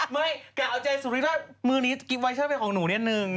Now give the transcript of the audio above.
ไม่แก่เอาใจสุดท้ายมือนี้กินไวเชิดเป็นของหนูเนี่ยหนึ่ง